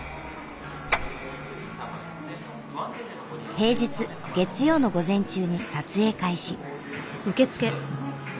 平日月曜の午前中に撮影開始。